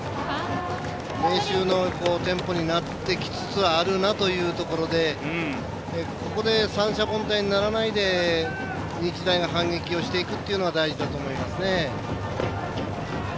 明秀のテンポになってきつつあるなというところでここで三者凡退にならないで日大が反撃をしていくというのが大事だと思います。